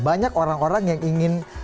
banyak orang orang yang ingin